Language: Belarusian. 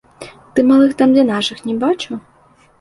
Ты малых там дзе нашых не бачыў?